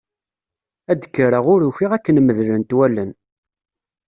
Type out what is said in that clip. Ad kreɣ ur ukiɣ akken medlent wallen.